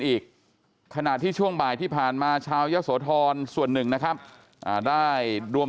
อีกขณะที่ช่วงบ่ายที่ผ่านมาชาวยะโสธรส่วนหนึ่งนะครับได้รวม